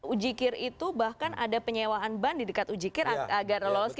ujikir itu bahkan ada penyewaan ban di dekat ujikir agar lolos